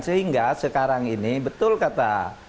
sehingga sekarang ini betul kata